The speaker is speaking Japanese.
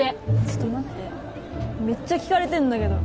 ちょっと待ってめっちゃ聞かれてんだけど